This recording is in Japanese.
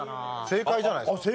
正解じゃないですか？